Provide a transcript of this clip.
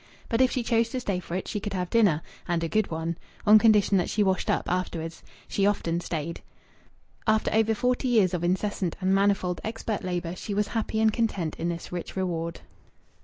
But if she chose to stay for it she could have dinner and a good one on condition that she washed up afterwards. She often stayed. After over forty years of incessant and manifold expert labour she was happy and content in this rich reward.